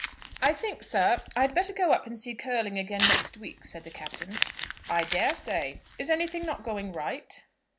"I think, sir, I'd better go up and see Curling again next week," said the Captain. "I dare say. Is anything not going right?"